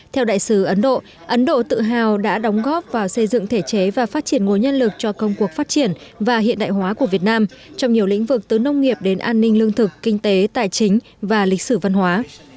theo đại sứ ấn độ ấn độ tự hào đã đóng góp vào xây dựng thể chế và phát triển ngôi nhân lực cho công cuộc phát triển và hiện đại hóa của việt nam trong nhiều lĩnh vực từ nông nghiệp đến an ninh lương thực kinh tế tài chính và lịch sử văn hóa